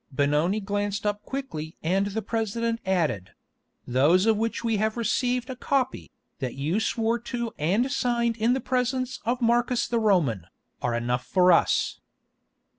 Benoni glanced up quickly and the President added: "Those of which we have received a copy, that you swore to and signed in the presence of Marcus the Roman, are enough for us."